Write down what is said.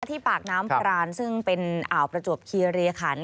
ที่ปากน้ำพรานซึ่งเป็นอ่าวประจวบคีรีขัน